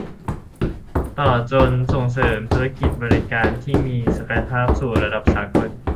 ตลอดจนส่งเสริมธุรกิจบริการที่มีศักยภาพสู่ระดับสากล